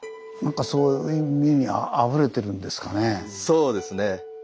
そうですね。